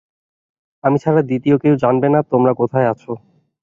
আমি ছাড়া দ্বিতীয় কেউ জানবে না তোমরা কোথায় আছ।